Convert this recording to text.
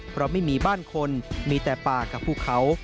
เพราะไม่มีบ้านคนมีแต่ป่ากับภูเขา